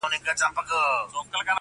بس و یار ته ستا خواږه کاته درمان سي,